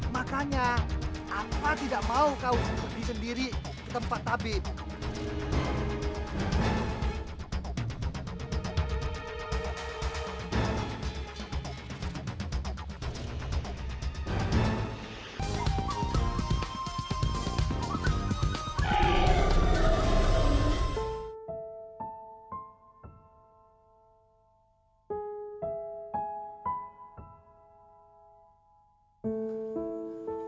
makanya apa tidak mau kau pergi sendiri ke tempat tabib